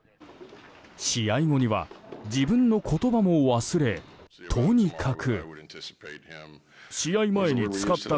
試合後には自分の言葉も忘れとにかく。